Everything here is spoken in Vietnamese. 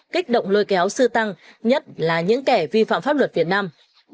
kích động lôi kéo sư tăng nhất là những kẻ vi phạm pháp luật việt nam